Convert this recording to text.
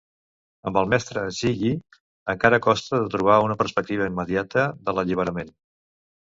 Amb el mestre Zhìyì, encara costa de trobar una perspectiva immediata de l'alliberament.